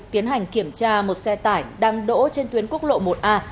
tiến hành kiểm tra một xe tải đang đỗ trên tuyến quốc lộ một a